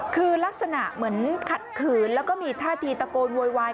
คือลักษณะเหมือนขัดขืนแล้วก็มีท่าทีตะโกนโวยวาย